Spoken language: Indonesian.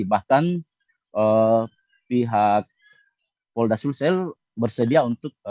bahkan pihak polda sulsel bersedia untuk